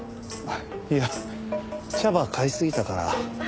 いや茶葉買いすぎたから。